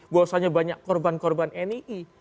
gua usahanya banyak korban korban nii